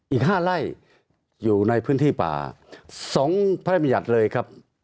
อีก๕ไร่อยู่ในพื้นที่ป่า๒พระราชบัญญัติเลยครับ